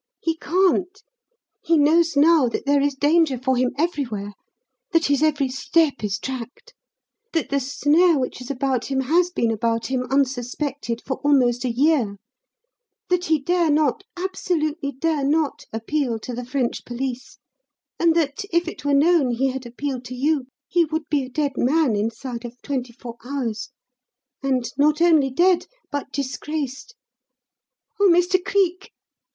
he can't! He knows now that there is danger for him everywhere; that his every step is tracked; that the snare which is about him has been about him, unsuspected, for almost a year; that he dare not, absolutely dare not, appeal to the French police, and that if it were known he had appealed to you, he would be a dead man inside of twenty four hours, and not only dead, but disgraced. Oh, Mr. Cleek!"